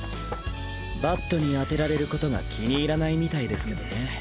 バットに当てられる事が気に入らないみたいですけどね。